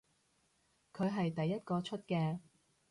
佢係第一個出嘅